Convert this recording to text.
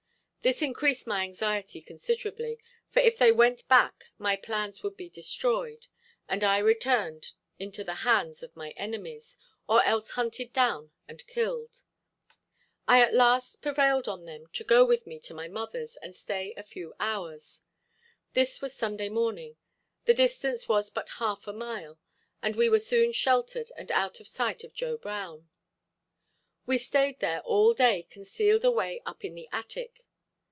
This increased my anxiety considerably, for if they went back my plans would be destroyed and I returned into the hands of my enemies, or else hunted down and killed. I at last prevailed on them to go with me to my mother's and stay a few hours. This was Sunday morning, the distance was but half a mile, and we were soon sheltered and out of sight of Joe Brown. We stayed there all day concealed away up in the attic.